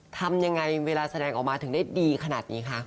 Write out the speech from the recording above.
ทำยังไงเวลาแสดงออกมาถึงได้ดีขนาดนี้คะ